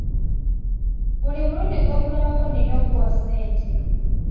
Buli mulundi gwe nkulabako nina okukuwa ssente.